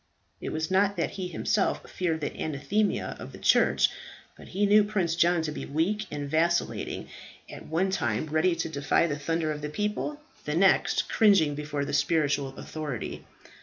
It was not that he himself feared the anathema of the church; but he knew Prince John to be weak and vacillating, at one time ready to defy the thunder of the pope, the next cringing before the spiritual authority.